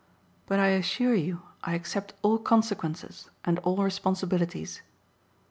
But I assure you I accept all consequences and all responsibilities.